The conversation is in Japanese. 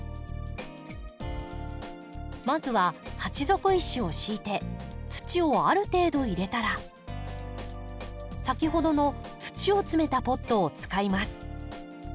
まずは鉢底石を敷いて土をある程度入れたら先ほどの土を詰めたポットを使います。